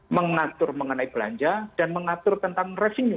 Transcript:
mengatur mengenai belanja dan mengatur tentang revenue